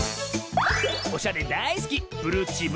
おしゃれだいすき